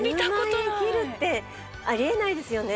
１０万円切るってありえないですよね。